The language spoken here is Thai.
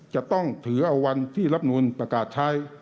จะต้องถือเอาวันที่รับนูลประกาศใช้